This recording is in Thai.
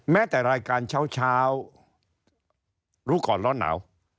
แม้แต่รายการเช้ารู้ก่อนร้อนหนาว